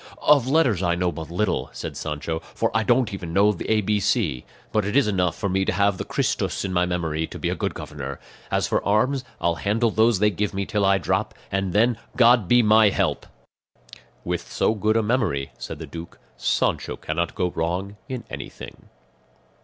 "Of letters I know but little," said Sancho, "for I don't even know the A B C; but it is enough for me to have the Christus in my memory to be a good governor. As for arms, I'll handle those they give me till I drop, and then, God be my help!" "With so good a memory," said the duke, "Sancho cannot go wrong in anything."